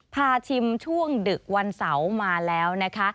พาชิมช่วงดึกวันเสาร์มาแล้วนะคะ